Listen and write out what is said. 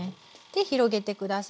広げて下さい。